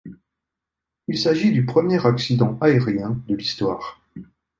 Il s'agit du premier accident aérien de l'histoire.